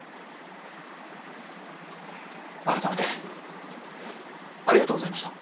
改めてありがとうございました。